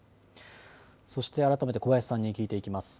そして改めて小林さんに聞いていきます。